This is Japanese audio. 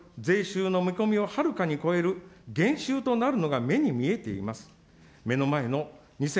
インボイス制度による税収の見込みをはるかに超える減収となるのが目に見えています。